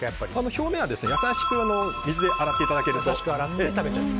表面は優しく水で洗っていただけると。